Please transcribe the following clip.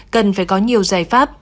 cần phải có nhiều giải pháp